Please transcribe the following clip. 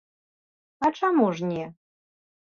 А чаму ж не?